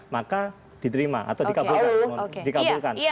maka diterima atau dikabulkan